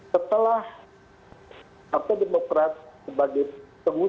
setelah partai demokrat sebagai pengusung